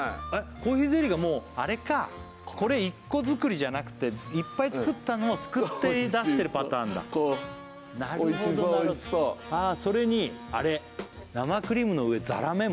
コーヒーゼリーがもうあれかこれ１個作りじゃなくていっぱい作ったのをすくって出してるパターンだ美味しそう美味しそうなるほどなるほどそれにあれ生クリームの上ざらめ？